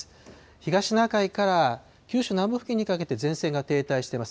東シナ海から九州南部付近にかけて、前線が停滞してます。